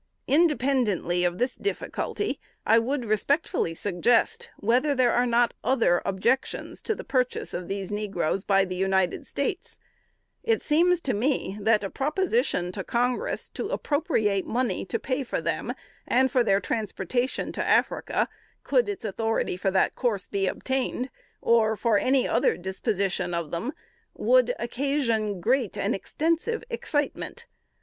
Independently of this difficulty, I would respectfully suggest, whether there are not other objections to the purchase of these negroes by the United States? It seems to me, that a proposition to Congress _to appropriate money to pay for them, and for their transportation to Africa, could its authority for that course be obtained, or for any other disposition of them_, WOULD OCCASION GREAT AND EXTENSIVE EXCITEMENT.